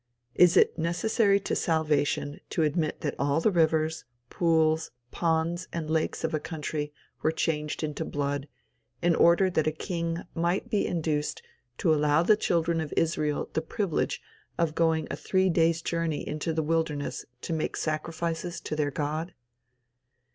Is it necessary to salvation to admit that all the rivers, pools, ponds and lakes of a country were changed into blood, in order that a king might be induced to allow the children of Israel the privilege of going a three days journey into the wilderness to make sacrifices to their God?